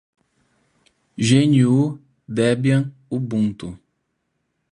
gnu, debian, ubuntu